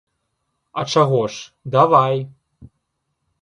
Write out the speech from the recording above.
А чаго ж, давай.